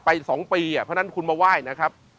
๒ปีเพราะฉะนั้นคุณมาไหว้นะครับ